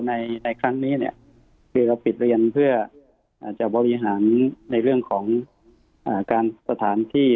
ในครั้งนี้เนี่ยคือเราปิดเรียนเพื่อจะบริหารในเรื่องของการสถานที่